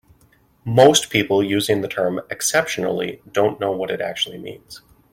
Most people using the term "exponentially" don't know what it actually means.